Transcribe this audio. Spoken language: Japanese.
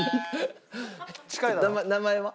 名前は？